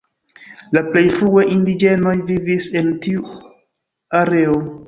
La plej frue indiĝenoj vivis en tiu areo.